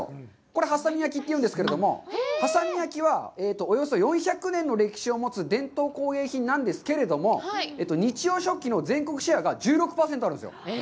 これ波佐見焼って言うんですけど、波佐見焼は、およそ４００年の歴史を持つ伝統工芸品なんですけれども、日用食器の全国シェアが１６％あるんですよ。